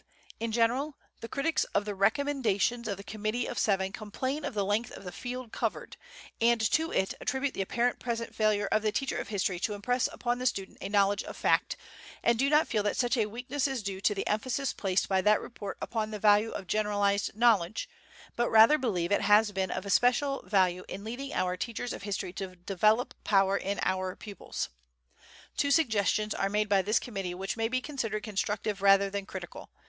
In general, the critics of the recommendations of the Committee of Seven complain of the length of the field covered, and to it attribute the apparent present failure of the teacher of history to impress upon the student a knowledge of fact, and do not feel that such a weakness is due to the emphasis placed by that report upon the value of generalized knowledge, but rather believe it has been of especial value in leading our teachers of history to develop power in our pupils. "Two suggestions are made by this committee which may be considered constructive rather than critical.